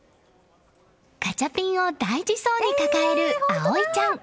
ガチャピンを大事そうに抱える葵ちゃん。